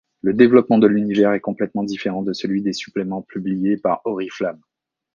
Le développement de l'univers est complètement différent de celui des suppléments publiés par Oriflam.